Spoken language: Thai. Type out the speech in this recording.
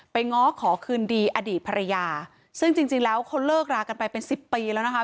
ง้อขอคืนดีอดีตภรรยาซึ่งจริงจริงแล้วเขาเลิกรากันไปเป็นสิบปีแล้วนะคะ